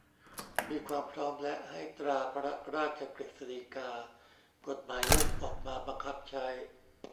มีความพร้อม และให้ตราพระราชกฤษฎีกา กฎหมายลูก ออกมาบังคับใช้